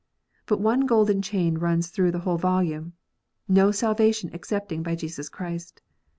But one golden chain runs through the whole volume : no salvation excepting by Jesus Christ.